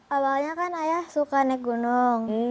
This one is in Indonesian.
awalnya kan ayah suka naik gunung